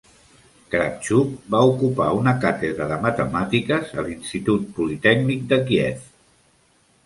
Kravchuk va ocupar una càtedra de matemàtiques a l'Institut Politècnic de Kíev.